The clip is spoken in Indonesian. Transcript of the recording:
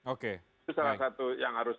oke itu salah satu yang harus